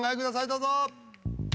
どうぞ。